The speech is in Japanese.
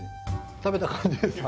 食べた感じですか？